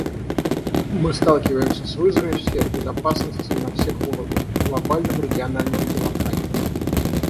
Мы сталкиваемся с вызовами в сфере безопасности на всех уровнях — глобальном, региональном и локальном.